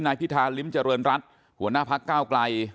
พิธาริมเจริญรัฐหัวหน้าพักก้าวไกล